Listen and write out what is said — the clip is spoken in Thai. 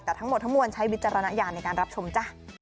แต่ทั้งหมดทั้งมวลใช้วิจารณญาณในการรับชมจ้ะ